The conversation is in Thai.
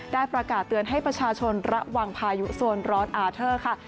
ประกาศเตือนให้ประชาชนระวังพายุโซนร้อนอาเทอร์ค่ะ